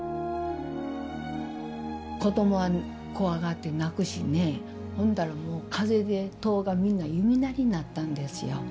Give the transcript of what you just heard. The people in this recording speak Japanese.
子供は怖がって泣くしねえほんだらもう風で戸がみんな弓なりになったんですよ。